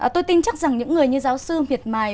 tôi tin chắc rằng những người như giáo sư việt mài